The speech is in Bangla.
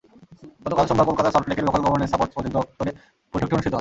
গতকাল সোমবার কলকাতার সল্টলেকের লোকাল গভর্নেন্স সাপোর্ট প্রজেক্ট দপ্তরে বৈঠকটি অনুষ্ঠিত হয়।